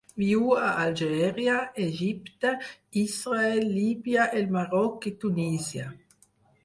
Viu a Algèria, Egipte, Israel, Líbia, el Marroc i Tunísia.